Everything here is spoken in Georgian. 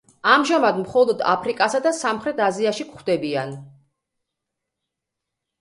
ამჟამად მხოლოდ აფრიკასა და სამხრეთ აზიაში გვხვდებიან.